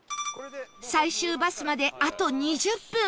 最終バスまであと２０分